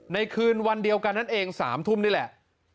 คืนวันเดียวกันนั่นเอง๓ทุ่มนี่แหละ